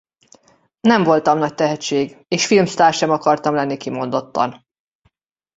Nem voltam nagy tehetség és filmsztár sem akartam lenni kimondottan.